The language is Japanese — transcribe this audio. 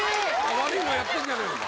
・悪いのやってんじゃねえのか？